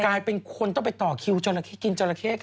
กลายเป็นคนต้องไปต่อคิวจราเข้กินจราเข้กัน